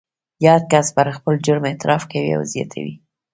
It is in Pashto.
یاد کس پر خپل جرم اعتراف کوي او زیاتوي